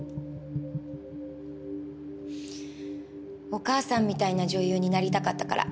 お母さんみたいな女優になりたかったから。